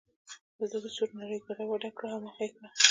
دده د سوچ نړۍ یې ګډه وډه کړه او یې مخه کړه.